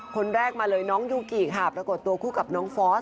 คนแรกมาเลยน้องยูกิค่ะปรากฏตัวคู่กับน้องฟอส